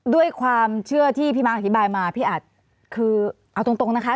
ด้วยความเชื่อที่พี่มาร์คอธิบายมาพี่อัดคือเอาตรงนะคะ